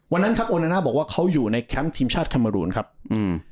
วันนั้นครับโอนาน่าบอกว่าเขาอยู่ในแคมป์ทีมชาติคาเมรูนครับอืม